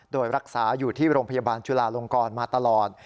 โดยรักษาอยู่ที่โรงพยาบาลจุลาลงกรมาตลอด